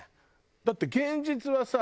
だって現実はさ